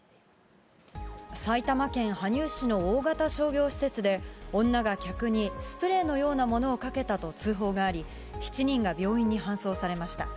埼玉県羽生市の大型商業施設で、女が客にスプレーのようなものをかけたと通報があり、７人が病院に搬送されました。